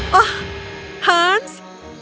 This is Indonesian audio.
hah oh hans